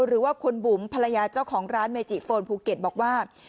หรือว่าคุณบุ๋มภรรยาเจ้าของร้านเมจิโฟนภูเก็ตบอกว่า